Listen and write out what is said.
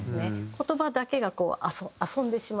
言葉だけが遊んでしまうというか。